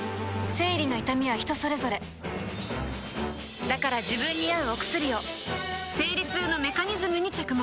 生理の痛みは人それぞれだから自分に合うお薬を生理痛のメカニズムに着目